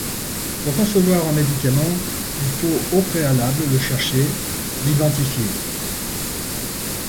Pour concevoir un médicament, il faut au préalable le chercher, l'identifier.